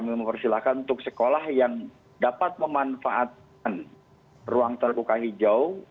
kami mempersilahkan untuk sekolah yang dapat memanfaatkan ruang terbuka hijau